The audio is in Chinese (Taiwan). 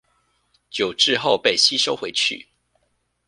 久置後被吸收回去